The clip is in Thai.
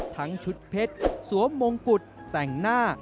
ทั้งชุดเพชรสวมมงกุฎแต่งหน้า